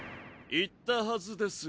言ったはずです。